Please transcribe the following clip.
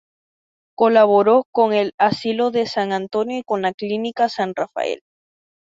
Colaboró con el Asilo de San Antonio y con la Clínica San Rafael.